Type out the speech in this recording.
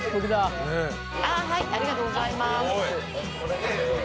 ありがとうございます。